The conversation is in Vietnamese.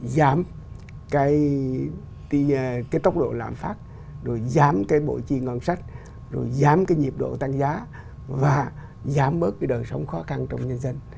giảm cái tốc độ lãng phát rồi giảm cái bộ chi ngân sách rồi giảm cái nhiệm độ tăng giá và giảm bớt cái đời sống khó khăn trong nhân dân